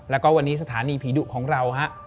แล้วก็วันนี้สถานีผีดุของเราฮะ